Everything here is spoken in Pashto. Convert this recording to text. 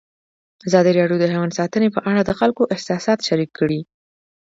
ازادي راډیو د حیوان ساتنه په اړه د خلکو احساسات شریک کړي.